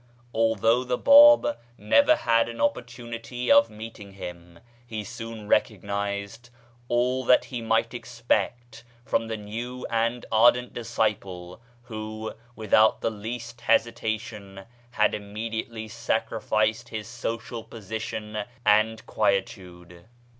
Al though the Bab never had an opportunity of meeting him, he soon recognised all that he might expect from the new and ardent disciple who, without the least hesitation, had immediately sacrificed his social position and quietude.